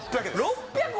６００